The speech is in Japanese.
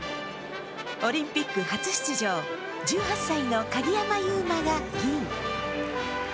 オリンピック初出場、１８歳の鍵山優真が銀。